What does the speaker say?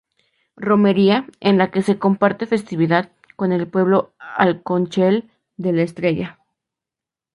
Romería en la que se comparte festividad con el pueblo Alconchel de La Estrella.